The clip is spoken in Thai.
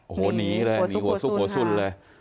โอ้โหหนีเลยหนีหัวซุกหัวสุ่นเลย